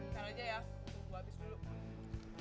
biar aja ya tunggu gue habis dulu